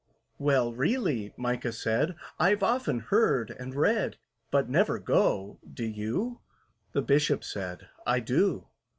"Well, really," MICAH said, "I've often heard and read, But never go—do you?" The Bishop said, "I do."